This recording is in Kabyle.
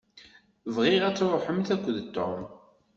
Bɣiɣ ad tṛuḥemt akked Tom.